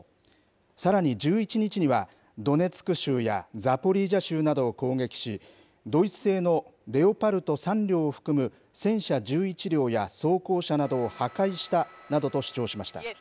さらに１１日には、ドネツク州やザポリージャ州などを攻撃し、ドイツ製のレオパルト３両を含む戦車１１両や装甲車などを破壊したなどと主張しました。